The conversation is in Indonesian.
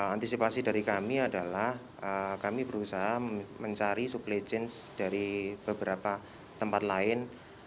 antisipasi dari kami adalah kami berusaha mencari supply chain dari beberapa tempat lain